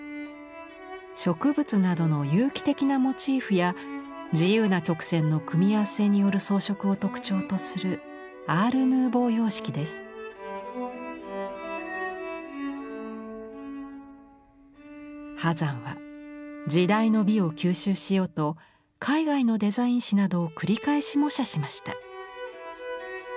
植物などの有機的なモチーフや自由な曲線の組み合わせによる装飾を特徴とする波山は時代の美を吸収しようと海外のデザイン誌などを繰り返し模写しました。